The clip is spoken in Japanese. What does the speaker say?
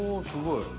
すごい。